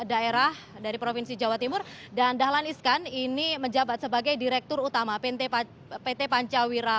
daerah dari provinsi jawa timur dan dahlan iskan ini menjabat sebagai direktur utama pt pancawira